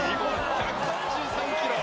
１３３キ